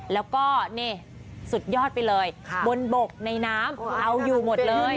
แล้วก็นี่สุดยอดไปเลยบนบกในน้ำเอาอยู่หมดเลย